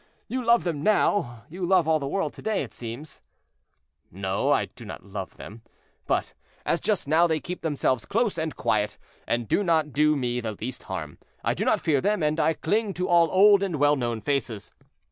"Ah! you love them now; you love all the world to day, it seems." "No, I do not love them; but, as just now they keep themselves close and quiet, and do not do me the least harm, I do not fear them, and I cling to all old and well known faces.